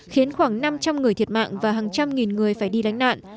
khiến khoảng năm trăm linh người thiệt mạng và hàng trăm nghìn người phải đi lánh nạn